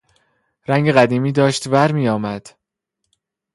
رنگ قدیمی داشت ور میآمد.